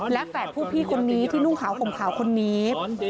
และแฝดผู้พี่คนนี้ที่นุ่งขาวห่มขาวคนนี้